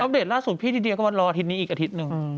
เดตล่าสุดพี่ลิเดียก็มารออาทิตย์นี้อีกอาทิตย์หนึ่ง